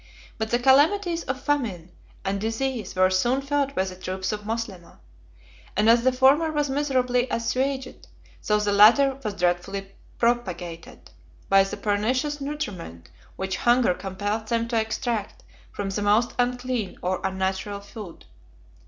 But the calamities of famine and disease were soon felt by the troops of Moslemah, and as the former was miserably assuaged, so the latter was dreadfully propagated, by the pernicious nutriment which hunger compelled them to extract from the most unclean or unnatural food.